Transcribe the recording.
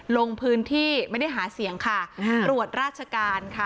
ลงพื้นที่ไม่ได้หาเสียงค่ะตรวจราชการค่ะ